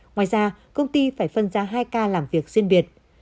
ngoài ra công ty phải phân ra hai ca làm việc riêng biệt